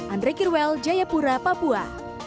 andre kirwel jayapura papua